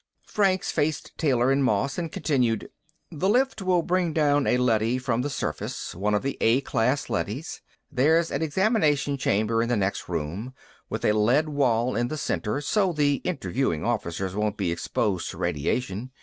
Franks faced Taylor and Moss and continued: "The lift will bring down a leady from the surface, one of the A class leadys. There's an examination chamber in the next room, with a lead wall in the center, so the interviewing officers won't be exposed to radiation.